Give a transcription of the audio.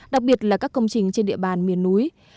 đặc biệt là các công trình trên địa bàn miền núi